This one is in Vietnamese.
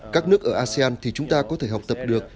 các nước ở asean thì chúng ta có thể học tập được